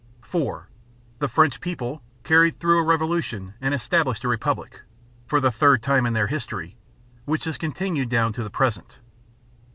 (4) The French people carried through a revolution and established a republic for the third time in their history which has continued down to the present.